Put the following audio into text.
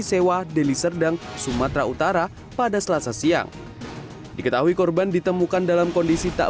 sewa deli serdang sumatera utara pada selasa siang diketahui korban ditemukan dalam kondisi tak